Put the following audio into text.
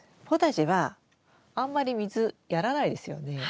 ポタジェはあんまり水やらないですよね。